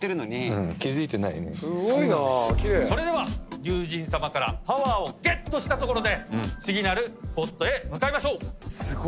それでは龍神様からパワーをゲットしたところで次なるスポットへ向かいましょう。